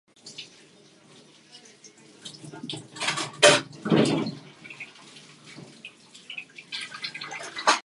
In her youth she joined the Betar youth movement.